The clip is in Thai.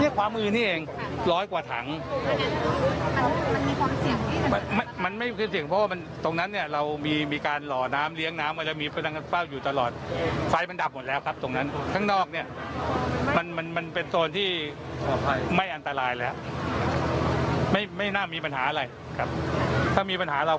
เร็วไฟเร็วไฟเร็วไฟเร็วไฟเร็วไฟเร็วไฟเร็วไฟเร็วไฟเร็วไฟเร็วไฟเร็วไฟเร็วไฟเร็วไฟเร็วไฟเร็วไฟเร็วไฟเร็วไฟเร็วไฟเร็วไฟเร็วไฟเร็วไฟเร็วไฟเร็วไฟเร็วไฟเร็วไฟเร็วไฟเร็วไฟเร็วไฟเร็วไฟเร็วไฟเร็วไฟเร็ว